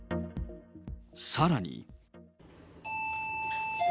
さらに。